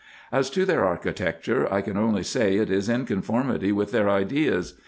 As to their architecture, I can only say it is in conformity with their ideas.